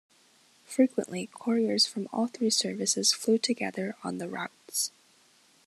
Frequently, couriers from all three services flew together on the routes.